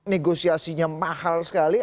negosiasinya mahal sekali